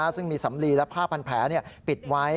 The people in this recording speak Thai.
ซึ่งมีสำลีและผ้าพันแผลปิดไว้